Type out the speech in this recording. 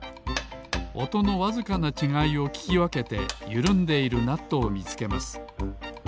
おとのわずかなちがいをききわけてゆるんでいるナットをみつけます。